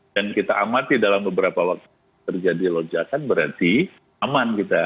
kita amati dalam beberapa waktu terjadi lonjakan berarti aman kita